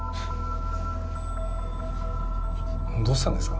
どうしたんですか？